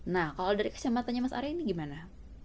nah kalau dari kesempatannya mas arya ini gimana